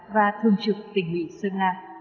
và thường trực tỉnh mỹ sơn la